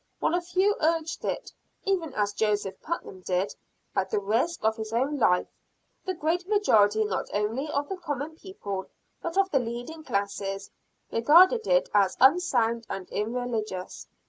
While a few urged it, even as Joseph Putnam did, at the risk of his own life, the great majority not only of the common people but of the leading classes, regarded it as unsound and irreligious.